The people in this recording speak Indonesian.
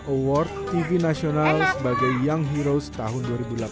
award tv nasional sebagai young heroes tahun dua ribu delapan belas